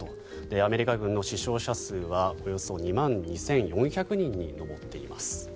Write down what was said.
アメリカ軍の死傷者数はおよそ２万２４００人に上っています。